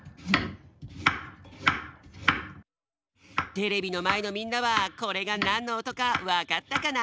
テレビのまえのみんなはこれがなんのおとかわかったかな？